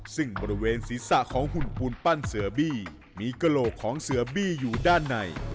ซึ่งบริเวณศีรษะของหุ่นปูนปั้นเสือบี้มีกระโหลกของเสือบี้อยู่ด้านใน